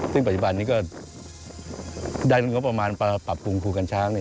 ซึ่งปัจจุบันนี้ก็ได้อยู่กับปราบปรุงครูกันช้าง